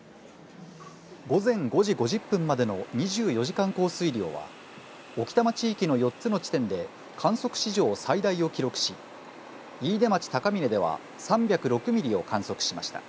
午前５時５０分までの２４時間降水量が置賜地域の４つの地点で観測史上最大を記録し、飯豊町高峰では３０６ミリを観測しました。